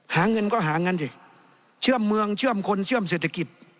หาเงินก็หาเงินสิเชื่อมเมืองเชื่อมคนเชื่อมเศรษฐกิจ